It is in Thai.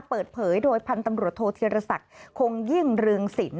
เปิดเผยโดยพันธ์ตำรวจโทษธิรศักดิ์คงยิ่งเรืองศิลป